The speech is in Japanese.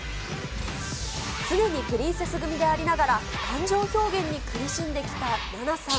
常にプリンセス組でありながら、感情表現に苦しんできたナナさん。